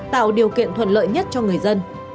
tạo điều kiện thuận lợi nhất cho người dân